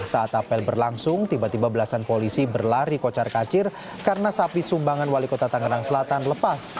saat apel berlangsung tiba tiba belasan polisi berlari kocar kacir karena sapi sumbangan wali kota tangerang selatan lepas